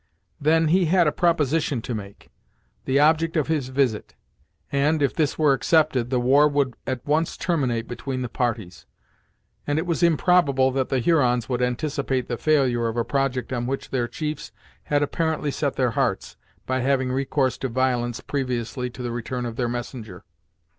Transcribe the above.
Then, he had a proposition to make; the object of his visit; and, if this were accepted, the war would at once terminate between the parties; and it was improbable that the Hurons would anticipate the failure of a project on which their chiefs had apparently set their hearts, by having recourse to violence previously to the return of their messenger.